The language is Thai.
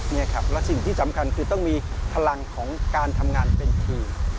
นี่ครับและสิ่งที่สำคัญคือต้องมีพลังของการทำงานเป็นคือ